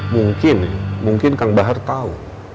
mungkin mungkin kang bahar tahu